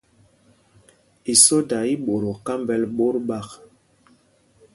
Isoda í mbot o kámbɛl ɓot ɓák.